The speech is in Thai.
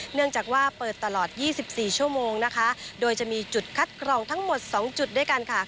เนื่องจากว่าเปิดตลอด๒๔ชั่วโมงนะคะโดยจะมีจุดคัดกรองทั้งหมด๒จุดด้วยกันค่ะ